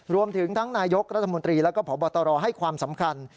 รวมถึงทั้งนายกรัฐมนตรีแล้วก็พบตรให้ความสำคัญ